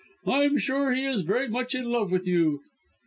I am sure he is very much in love with you."